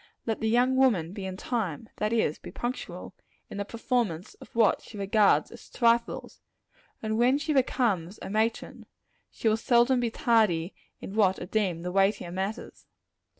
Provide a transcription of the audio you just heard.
Let the young woman be in time that is, be punctual in the performance of what she regards as trifles, and when she becomes a matron, she will seldom be tardy in what are deemed the weightier matters.